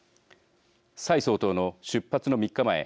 蔡総統の出発の３日前